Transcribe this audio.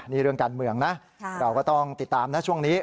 นี่เรื่องการเมืองนะเราก็ต้องติดตามนะช่วงนี้